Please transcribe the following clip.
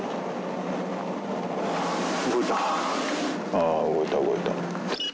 ・あ動いた動いた。